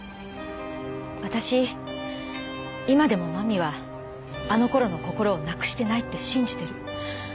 わたし今でも真実はあのころの心をなくしてないって信じてる。